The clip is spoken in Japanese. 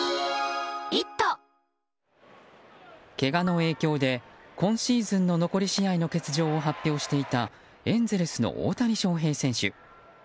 けがの影響で今シーズンの残り試合の欠場を発表していたエンゼルスの大谷翔平選手。